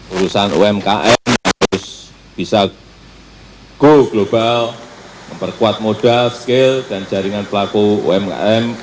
urusan umkm harus bisa go global memperkuat modal skill dan jaringan pelaku umkm